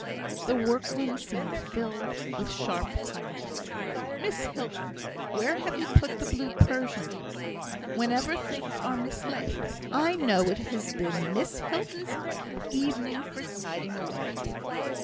The work room seemed filled with sharp calls. "Miss Hilton! where have you put the blue Persian? Whenever things are mislaid, I know it has been Miss Hilton's evening for siding away!"